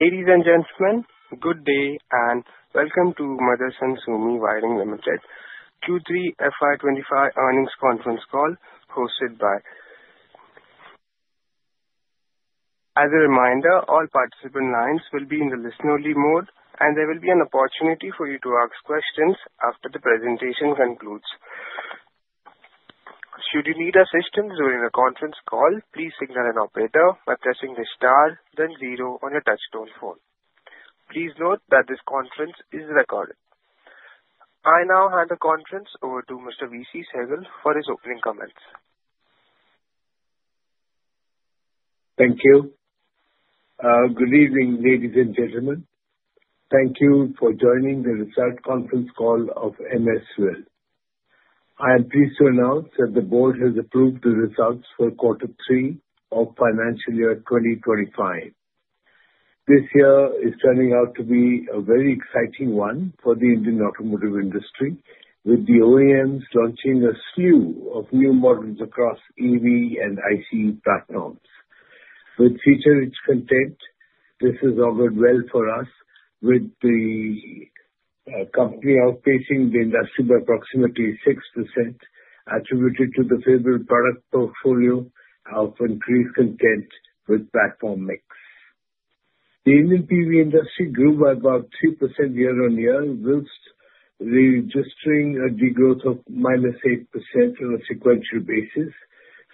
Ladies and gentlemen, good day and welcome to Motherson Sumi Wiring Limited Q3 FY 2025 earnings conference call hosted by. As a reminder, all participant lines will be in the listen-only mode, and there will be an opportunity for you to ask questions after the presentation concludes. Should you need assistance during the conference call, please signal an operator by pressing the star, then zero on your touch-tone phone. Please note that this conference is recorded. I now hand the conference over to Mr. Vivek Chaand Sehgal for his opening comments. Thank you. Good evening, ladies and gentlemen. Thank you for joining the result conference call of MSWIL. I am pleased to announce that the board has approved the results for quarter three of financial year 2025. This year is turning out to be a very exciting one for the Indian automotive industry, with the OEMs launching a slew of new models across EV and ICE platforms. With feature-rich content, this has augured well for us, with the company outpacing the industry by approximately 6%, attributed to the favorable product portfolio of increased content with platform mix. The Indian PV industry grew by about 3% year-on-year, with registering a degrowth of -8% on a sequential basis.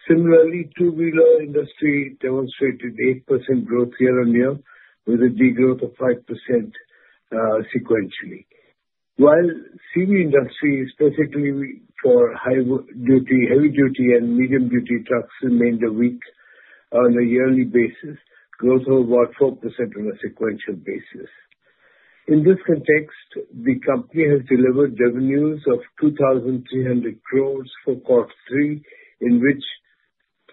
Similarly, two-wheeler industry demonstrated 8% growth year-on-year, with a degrowth of 5% sequentially. While CV industry, specifically for heavy-duty and medium-duty trucks, remained weak on a yearly basis, growth of about 4% on a sequential basis. In this context, the company has delivered revenues of 2,300 crores for quarter three, in which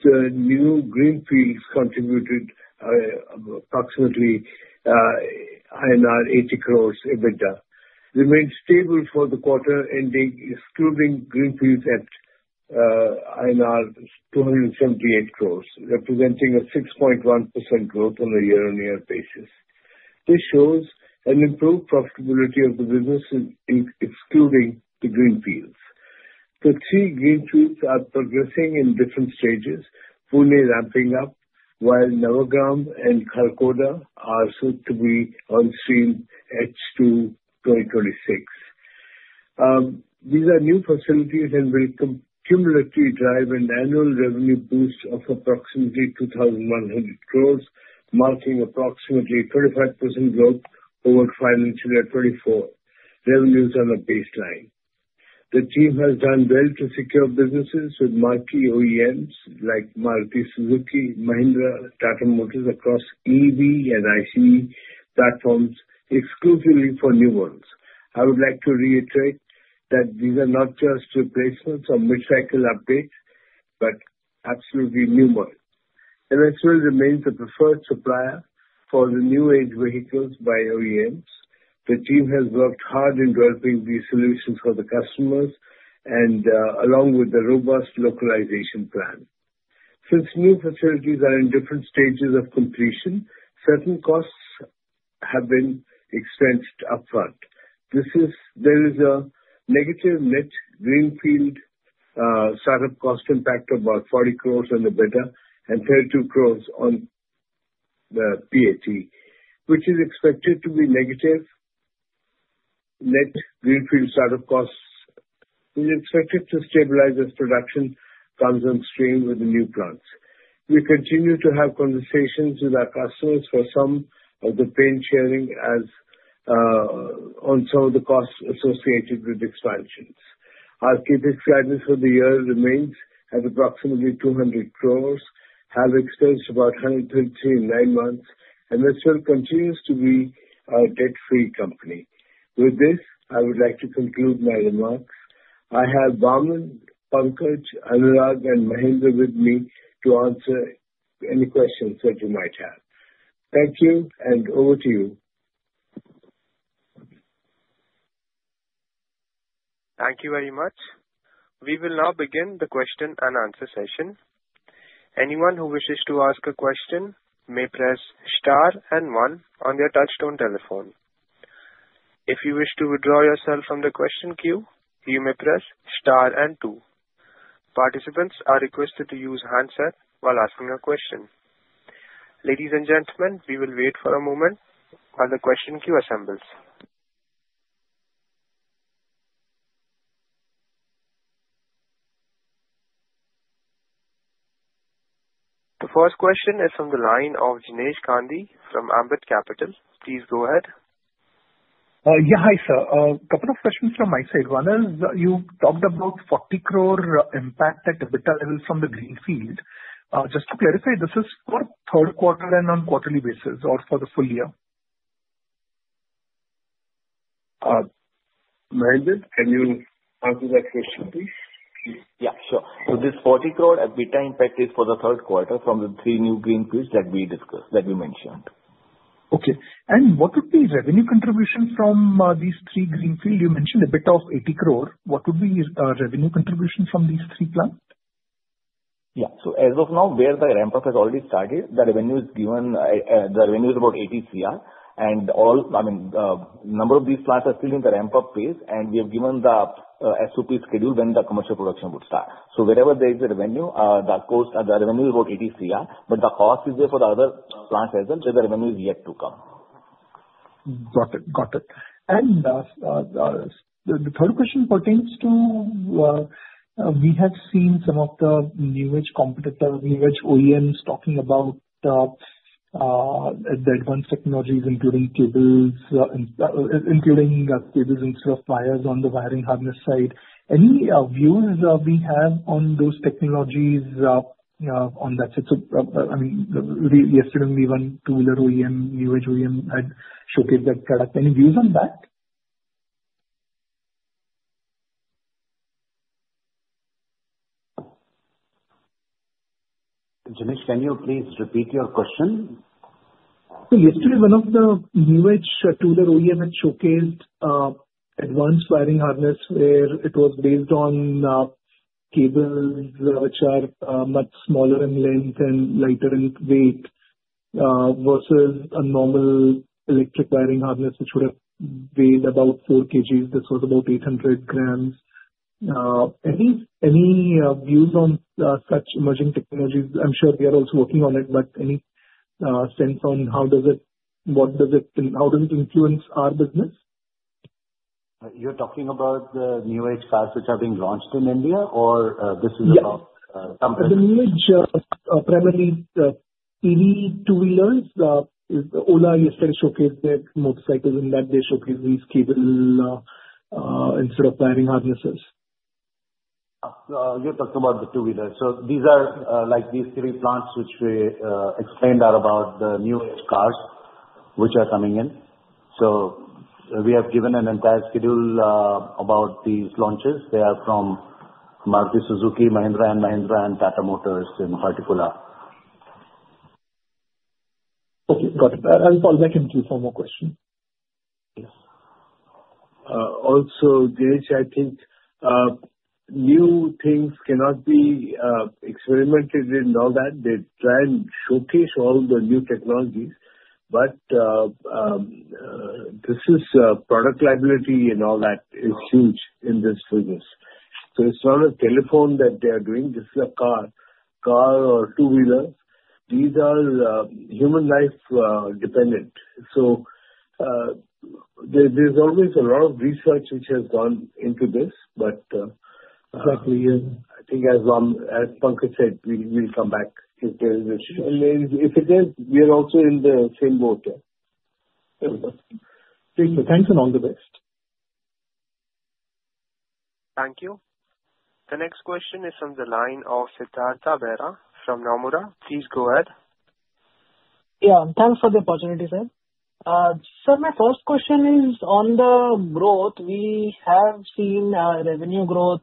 the new greenfields contributed approximately 80 crores EBITDA. Remained stable for the quarter, ending excluding greenfields at INR 278 crores, representing a 6.1% growth on a year-on-year basis. This shows an improved profitability of the business excluding the greenfields. The three greenfields are progressing in different stages, fully ramping up, while Navagam and Kharkhoda are set to be on stream H2 2026. These are new facilities and will cumulatively drive an annual revenue boost of approximately 2,100 crores, marking approximately 25% growth over financial year 2024 revenues on a baseline. The team has done well to secure businesses with marquee OEMs like Maruti Suzuki, Mahindra, and Tata Motors across EV and ICE platforms, exclusively for new ones. I would like to reiterate that these are not just replacements or mid-cycle updates, but absolutely new ones. MSWIL remains the preferred supplier for the new age vehicles by OEMs. The team has worked hard in developing these solutions for the customers, along with a robust localization plan. Since new facilities are in different stages of completion, certain costs have been expensed upfront. There is a negative net greenfield startup cost impact of about 40 crores on EBITDA and 32 crores on PAT, which is expected to be negative. Net greenfield startup costs are expected to stabilize as production comes on stream with the new plants. We continue to have conversations with our customers for some of the pain sharing on some of the costs associated with expansions. Our CapEx value for the year remains at approximately 200 crores. We have expensed about 133 crores in nine months. MSWIL continues to be a debt-free company. With this, I would like to conclude my remarks. I have Laksh Vaaman Sehgal, Pankaj, Anurag, and Mahender with me to answer any questions that you might have. Thank you, and over to you. Thank you very much. We will now begin the question and answer session. Anyone who wishes to ask a question may press star and one on their touch-tone telephone. If you wish to withdraw yourself from the question queue, you may press star and two. Participants are requested to use handsets while asking a question. Ladies and gentlemen, we will wait for a moment while the question queue assembles. The first question is from the line of Jinesh Gandhi from Ambit Capital. Please go ahead. Yeah, hi sir. A couple of questions from my side. One is you talked about 40 crore impact at EBITDA level from the greenfield. Just to clarify, this is for third quarter and on quarterly basis or for the full year? Mahender, can you answer that question, please? Yeah, sure. So this 40 crore EBITDA impact is for the third quarter from the three new greenfields that we mentioned. Okay. And what would be revenue contribution from these three greenfields? You mentioned EBITDA of 80 crore. What would be revenue contribution from these three plants? Yeah. So as of now, where the ramp-up has already started, the revenue is, given the revenue is about 80 Cr. And I mean, a number of these plants are still in the ramp-up phase, and we have given the SOP schedule when the commercial production would start. So wherever there is a revenue, the revenue is about 80 Cr, but the cost is there for the other plants as well, where the revenue is yet to come. Got it. Got it. And the third question pertains to we have seen some of the new age competitors, new age OEMs talking about the advanced technologies, including cables instead of wires on the wiring harness side. Any views we have on those technologies on that? I mean, yesterday we went to a new age OEM had showcased that product. Any views on that? Jinesh, can you please repeat your question? So yesterday, one of the new-age two-wheeler OEM had showcased advanced wiring harness where it was based on cables which are much smaller in length and lighter in weight versus a normal electric wiring harness which would have weighed about 4 kg. This was about 800 g. Any views on such emerging technologies? I'm sure they are also working on it, but any sense on how does it influence our business? You're talking about the new age cars which are being launched in India, or this is about something? The new age, primarily EV two-wheelers. Ola yesterday showcased their motorcycles in that they showcased these cables instead of wiring harnesses. You're talking about the two-wheelers. So these are like these three plants which we explained are about the new age cars which are coming in. So we have given an entire schedule about these launches. They are from Maruti Suzuki, Mahindra and Mahindra, and Tata Motors in particular. Okay. Got it. I'll fall back into a formal question. Yes. Also, Dinesh, I think new things cannot be experimented in all that. They try and showcase all the new technologies, but this is product liability and all that is huge in this business. So it's not a telephone that they are doing. This is a car. Car or two-wheelers, these are human life dependent. So there's always a lot of research which has gone into this, but I think as Pankaj said, we'll come back if there is an issue. And if it is, we are also in the same boat here. Thank you. Thanks and all the best. Thank you. The next question is from the line of Siddhartha Bera from Nomura. Please go ahead. Yeah. Thanks for the opportunity, sir. Sir, my first question is on the growth. We have seen revenue growth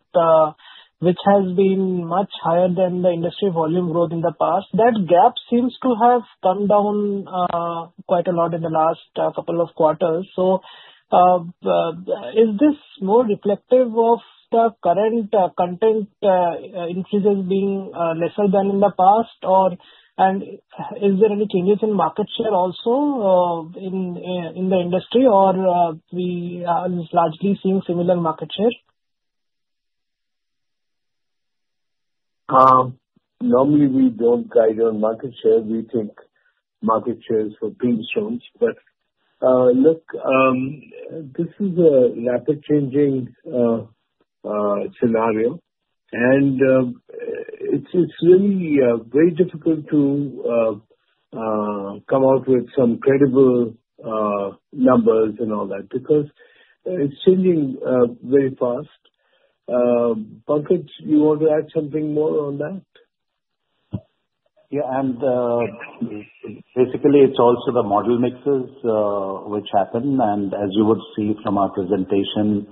which has been much higher than the industry volume growth in the past. That gap seems to have come down quite a lot in the last couple of quarters. So is this more reflective of the current content increases being lesser than in the past? And is there any changes in market share also in the industry, or are we largely seeing similar market share? Normally, we don't guide on market share. We think market shares for pre-installs. But look, this is a rapid-changing scenario, and it's really very difficult to come out with some credible numbers and all that because it's changing very fast. Pankaj, you want to add something more on that? Yeah. And basically, it's also the model mixes which happen. And as you would see from our presentation,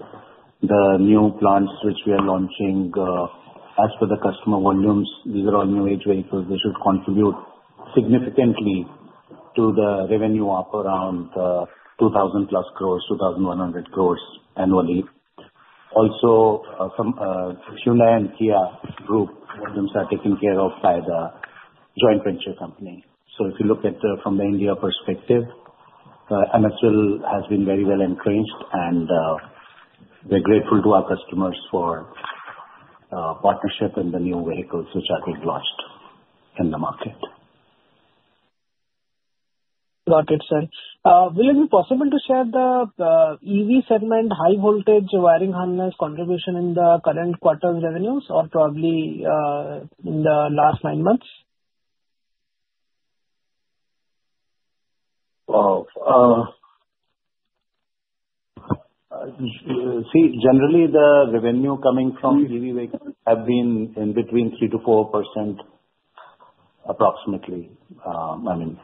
the new plants which we are launching, as per the customer volumes, these are all new age vehicles. They should contribute significantly to the revenue up around 2,000 crores plus, 2,100 crores annually. Also, Hyundai and Kia group, those are taken care of by the joint venture company. So if you look at it from the India perspective, MSWIL has been very well entrenched, and we're grateful to our customers for partnership in the new vehicles which are being launched in the market. Got it, sir. Will it be possible to share the EV segment high-voltage wiring harness contribution in the current quarter's revenues or probably in the last nine months? See, generally, the revenue coming from EV vehicles have been in between 3%-4% approximately. I mean,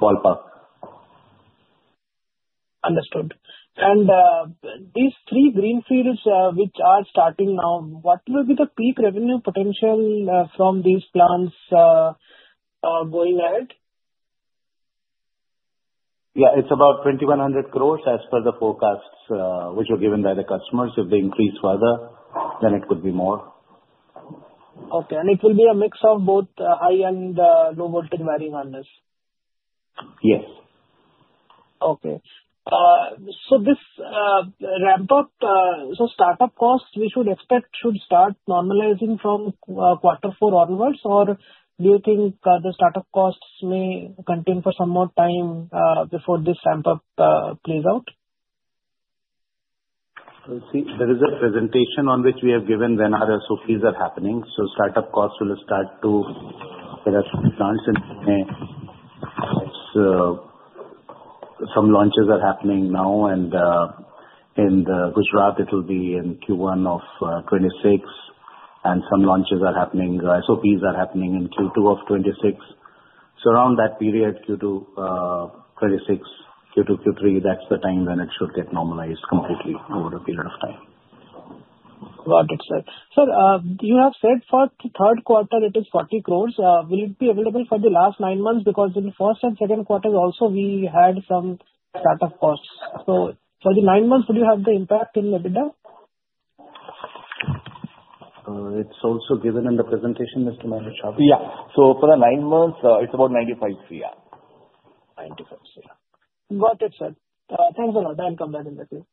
ballpark. Understood, and these three greenfields which are starting now, what will be the peak revenue potential from these plants going ahead? Yeah. It's about 2,100 crores as per the forecasts which are given by the customers. If they increase further, then it could be more. Okay. And it will be a mix of both high and low-voltage wiring harness? Yes. Okay. So this ramp-up, so startup costs, we should expect should start normalizing from quarter four onwards, or do you think the startup costs may continue for some more time before this ramp-up plays out? See, there is a presentation on which we have given when our SOPs are happening, so startup costs will start to advance in May. Some launches are happening now, and in Gujarat, it will be in Q1 of 2026, and some launches are happening. SOPs are happening in Q2 of 2026, so around that period, Q2 2026, Q2, Q3, that's the time when it should get normalized completely over a period of time. Got it, sir. Sir, you have said for the third quarter, it is 40 crores. Will it be available for the last nine months? Because in the first and second quarters also, we had some startup costs. So for the nine months, would you have the impact in EBITDA? It's also given in the presentation, Mr. Mahender Chhabra. Yeah, so for the nine months, it's about 95 crore. 95 crore. Got it, sir. Thanks a lot. I'll come back in a bit.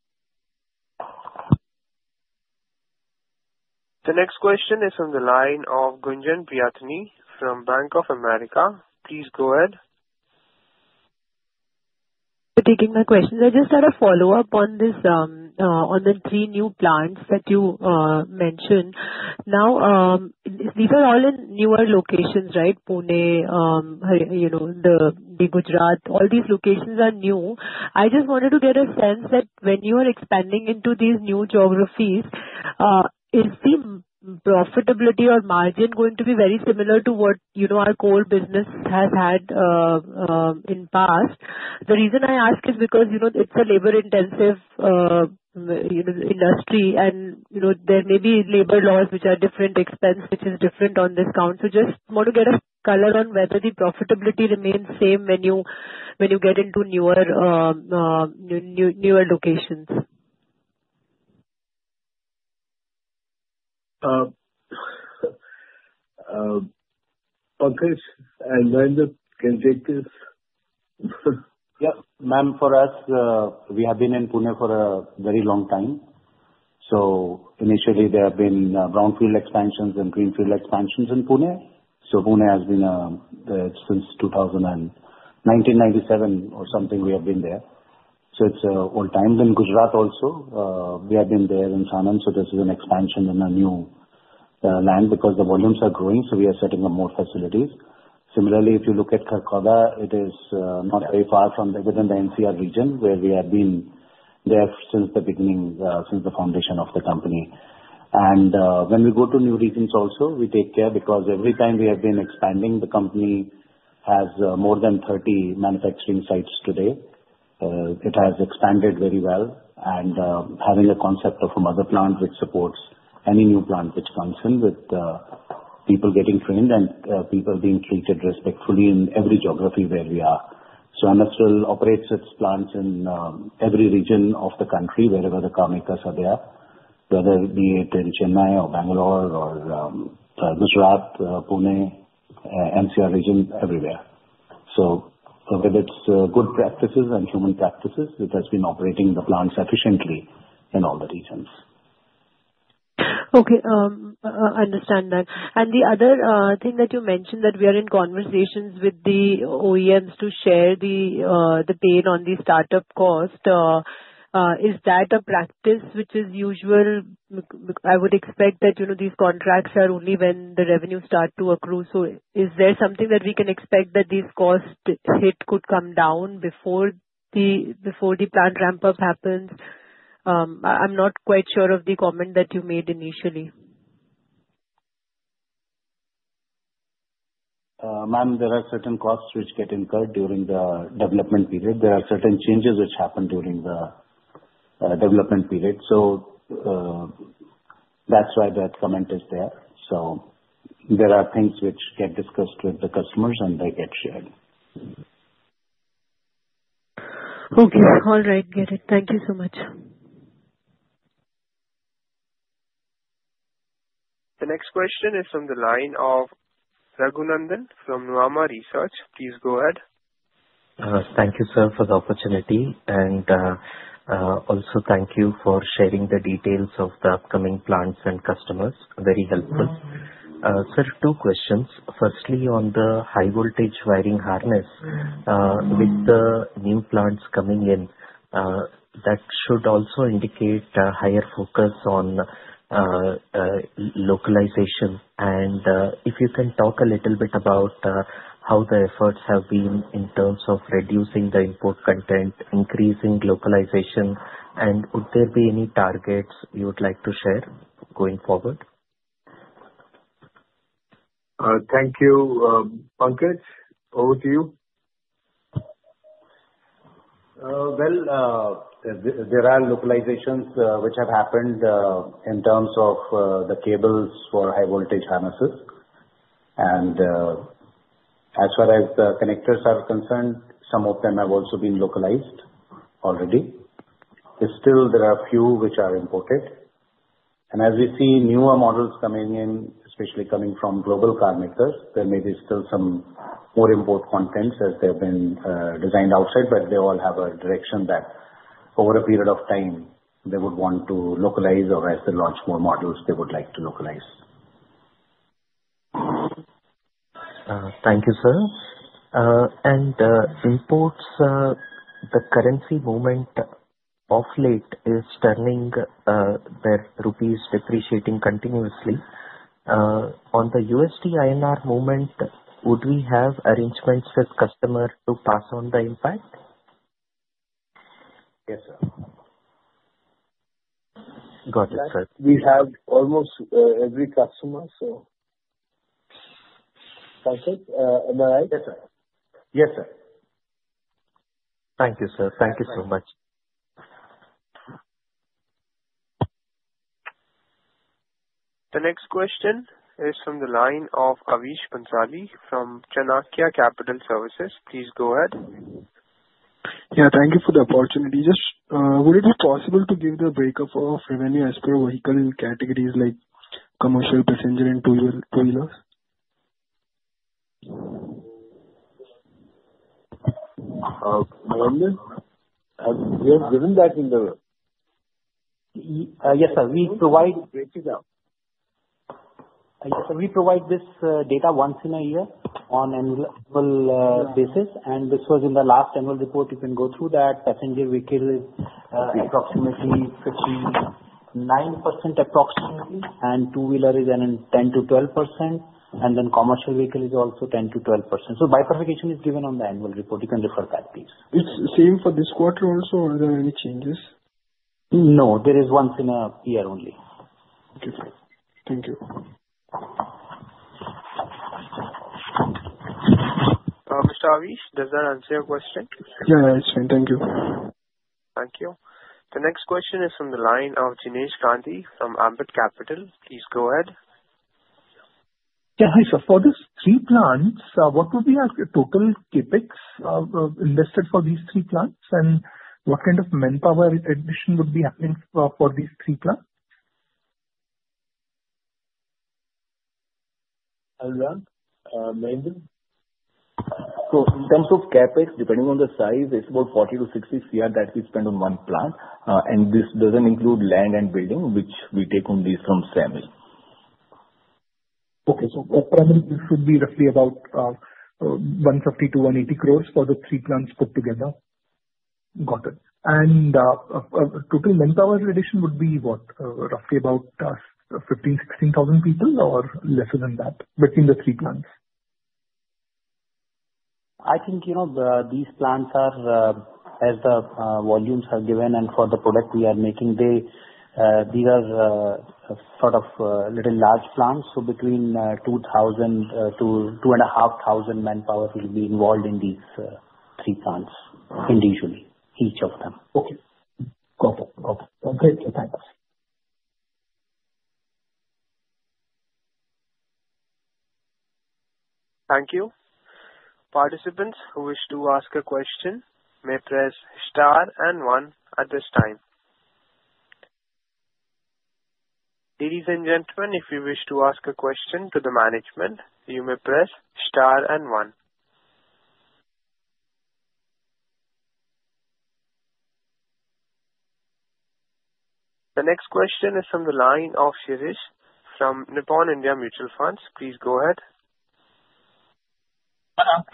The next question is from the line of Gunjan Prithyani from Bank of America. Please go ahead. Taking my questions. I just had a follow-up on the three new plants that you mentioned. Now, these are all in newer locations, right? Pune, Gujarat, all these locations are new. I just wanted to get a sense that when you are expanding into these new geographies, is the profitability or margin going to be very similar to what our core business has had in the past? The reason I ask is because it's a labor-intensive industry, and there may be labor laws which are different, expenses which are different on discount. So just want to get a color on whether the profitability remains the same when you get into newer locations. Pankaj and Mahender can take this. Yeah. Ma'am, for us, we have been in Pune for a very long time. So initially, there have been brownfield expansions and greenfield expansions in Pune. So Pune has been since 1997 or something, we have been there. So it's an old time. In Gujarat also, we have been there in Sanand. So this is an expansion in a new land because the volumes are growing, so we are setting up more facilities. Similarly, if you look at Kharkhoda, it is not very far from within the NCR region where we have been there since the beginning, since the foundation of the company. And when we go to new regions also, we take care because every time we have been expanding, the company has more than 30 manufacturing sites today. It has expanded very well. And having a concept of a mother plant which supports any new plant which comes in with people getting trained and people being treated respectfully in every geography where we are. So MSWIL operates its plants in every region of the country, wherever the carmakers are there, whether it be in Chennai or Bangalore or Gujarat, Pune, NCR region, everywhere. So with its good practices and humane practices, it has been operating the plants efficiently in all the regions. Okay. I understand that, and the other thing that you mentioned that we are in conversations with the OEMs to share the pain on the startup cost, is that a practice which is usual? I would expect that these contracts are only when the revenues start to accrue, so is there something that we can expect that these cost hits could come down before the plant ramp-up happens? I'm not quite sure of the comment that you made initially. Ma'am, there are certain costs which get incurred during the development period. There are certain changes which happen during the development period. So that's why that comment is there. So there are things which get discussed with the customers, and they get shared. Okay. All right. Got it. Thank you so much. The next question is from the line of Raghunandan from Nuvama Research. Please go ahead. Thank you, sir, for the opportunity, and also, thank you for sharing the details of the upcoming plants and customers. Very helpful. Sir, two questions. Firstly, on the high-voltage wiring harness, with the new plants coming in, that should also indicate a higher focus on localization, and if you can talk a little bit about how the efforts have been in terms of reducing the import content, increasing localization, and would there be any targets you would like to share going forward? Thank you. Pankaj, over to you. There are localizations which have happened in terms of the cables for high-voltage harnesses, and as far as the connectors are concerned, some of them have also been localized already. Still, there are a few which are imported, and as we see newer models coming in, especially coming from global carmakers, there may be still some more import contents as they have been designed outside, but they all have a direction that over a period of time, they would want to localize or as they launch more models, they would like to localize. Thank you, sir. And imports, the currency movement of late is the Rupees depreciating continuously. On the USD-INR movement, would we have arrangements with customers to pass on the impact? Yes, sir. Got it, sir. We have almost every customer, so. Pankaj, am I right? Yes, sir. Yes, sir. Thank you, sir. Thank you so much. The next question is from the line of Avesh Pansari from Chanakya Capital Services. Please go ahead. Yeah. Thank you for the opportunity. Just would it be possible to give the break-up of revenue as per vehicle categories like commercial, passenger, and two-wheelers? Mahender, have you given that in the? Yes, sir. We provide this data once in a year on annual basis. And this was in the last annual report. You can go through that. Passenger vehicle is approximately 59% approximately, and two-wheeler is 10% to 12%, and then commercial vehicle is also 10% to 12%. So breakup is given on the annual report. You can refer back, please. It's the same for this quarter also, or are there any changes? No. There is once in a year only. Okay. Thank you. Mr. Avish, does that answer your question? Yeah. Yeah. It's fine. Thank you. Thank you. The next question is from the line of Jinesh Gandhi from Ambit Capital. Please go ahead. Yeah. Hi, sir. For these three plants, what would be the total CapEx listed for these three plants, and what kind of manpower addition would be happening for these three plants? So in terms of Capex, depending on the size, it's about 40 to 60 CR that we spend on one plant, and this doesn't include land and building, which we take on lease from SAMIL. Okay. So that probably should be roughly about 150 to 180 crores for the three plants put together. Got it. And total manpower addition would be what, roughly about 15,000 to 16,000 people or lesser than that between the three plants? I think these plants are, as the volumes are given and for the product we are making, these are sort of little large plants. So between 2,000 to 2,500 manpower will be involved in these three plants individually, each of them. Okay. Got it. Okay. Thank you. Thank you. Participants who wish to ask a question may press star and one at this time. Ladies and gentlemen, if you wish to ask a question to the management, you may press star and one. The next question is from the line of Shirish from Nippon India Mutual Funds. Please go ahead.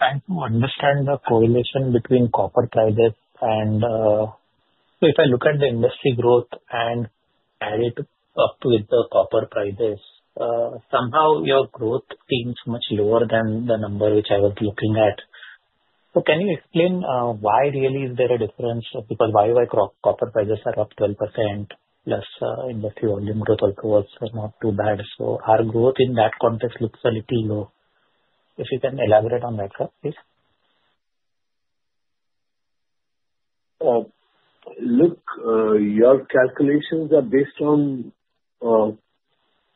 Thank you. I understand the correlation between copper prices. And so if I look at the industry growth and add it up with the copper prices, somehow your growth seems much lower than the number which I was looking at. So can you explain why really is there a difference? Because Y-Y copper prices are up 12%, plus industry volume growth also was not too bad. So our growth in that context looks a little low. If you can elaborate on that, please. Look, your calculations are based on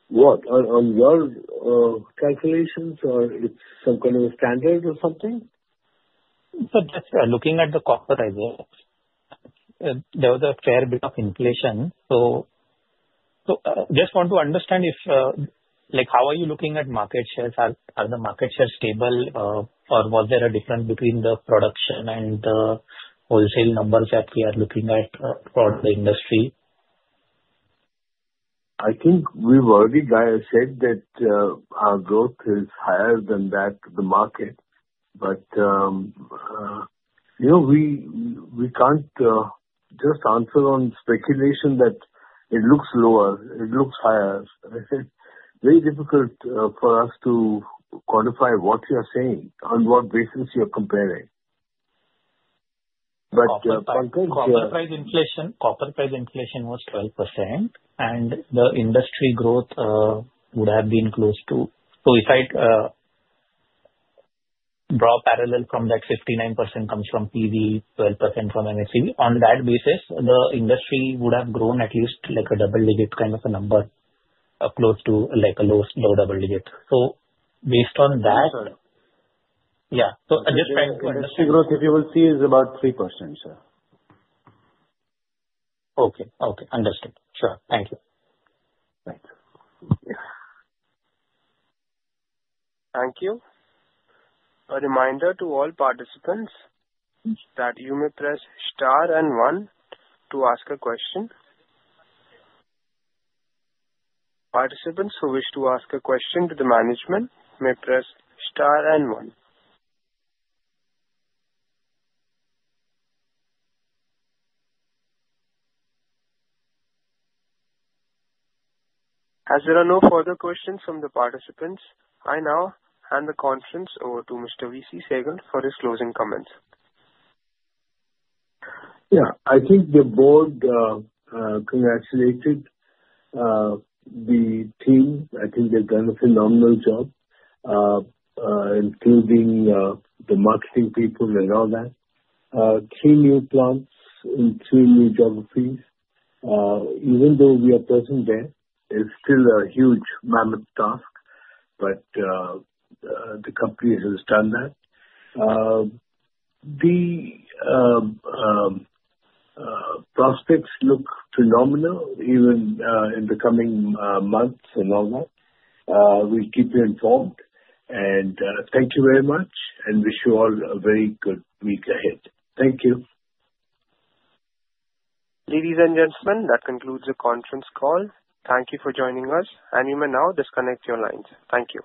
what? On your calculations or it's some kind of a standard or something? Just looking at the copper prices, there was a fair bit of inflation. Just want to understand if, how are you looking at market shares? Are the market shares stable, or was there a difference between the production and the wholesale numbers that we are looking at for the industry? I think we've already said that our growth is higher than that of the market. But we can't just answer on speculation that it looks lower. It looks higher. It's very difficult for us to quantify what you're saying on what basis you're comparing. But Pankaj. Copper price inflation was 12%, and the industry growth would have been close to. So if I draw a parallel from that, 59% comes from PV, 12% from M&HCV. On that basis, the industry would have grown at least a double-digit kind of a number close to a low double-digit. So based on that. Yes, sir. Yeah, so I'm just trying to understand. Industry growth, if you will see, is about 3%, sir. Okay. Okay. Understood. Sure. Thank you. Thanks. Thank you. A reminder to all participants that you may press star and one to ask a question. Participants who wish to ask a question to the management may press star and one. As there are no further questions from the participants, I now hand the conference over to Mr. VC Sehgal for his closing comments. Yeah. I think the board congratulated the team. I think they've done a phenomenal job, including the marketing people and all that. Three new plants in three new geographies. Even though we are present there, it's still a huge mammoth task, but the company has done that. The prospects look phenomenal even in the coming months and all that. We'll keep you informed. And thank you very much and wish you all a very good week ahead. Thank you. Ladies and gentlemen, that concludes the conference call. Thank you for joining us, and you may now disconnect your lines. Thank you.